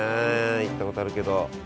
行ったことあるけど。